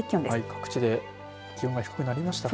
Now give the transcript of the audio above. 各地で気温が低くなりましたね。